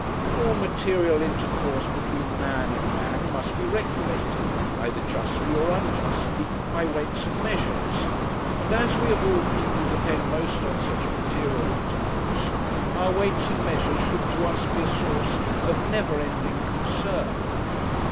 All material intercourse between man and man must be regulated, either justly or unjustly, by weights and measures; and as we of all people depend most on such material intercourse, our weights and measures should to us be a source of never ending concern.